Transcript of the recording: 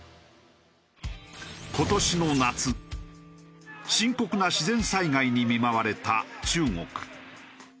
今年の夏深刻な自然災害に見舞われた中国。